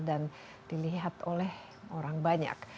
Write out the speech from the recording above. dan dilihat oleh orang banyak